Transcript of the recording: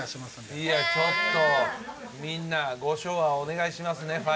みんなご唱和お願いしますね。